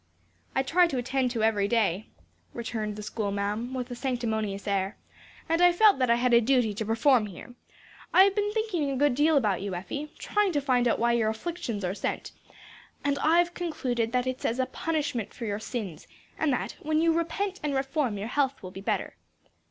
"I try to attend to every duty," returned the schoolma'am, with a sanctimonious air "and I felt that I had a duty to perform here. I've been thinking a good deal about you, Effie; trying to find out why your afflictions are sent; and I've concluded that it's as a punishment for your sins, and that when you repent and reform, your health will be better.